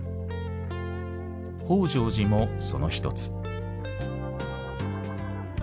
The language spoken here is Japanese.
北條寺もその一つ。